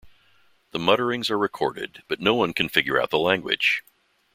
The mutterings are recorded, but no-one can figure out the language.